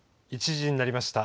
１時になりました。